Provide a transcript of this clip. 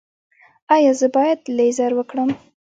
ایا زه باید لیزر وکړم؟